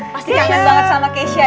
pasti kangen banget sama keisha